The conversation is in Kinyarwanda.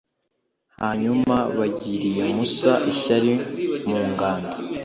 Hanyuma bagiriye Musa ishyari mu ngando